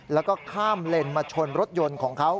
แล้วก็ข้ามเลนมาชนรถยนต์ของเขา